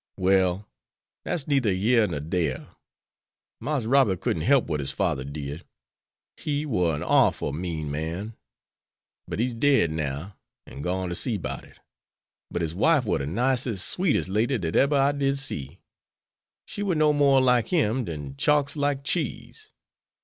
"Well, dats neither yere nor dere. Marse Robert couldn't help what his father did. He war an orful mean man. But he's dead now, and gone to see 'bout it. But his wife war the nicest, sweetest lady dat eber I did see. She war no more like him dan chalk's like cheese.